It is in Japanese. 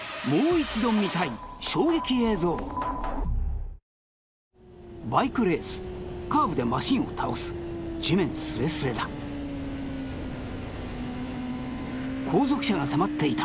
衝撃映像バイクレースカーブでマシンを倒す地面スレスレだ後続車が迫っていた